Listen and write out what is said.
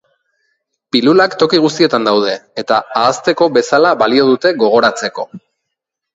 Pilulak toki guztietan daude, eta ahazteko bezala balio dute gogoratzeko.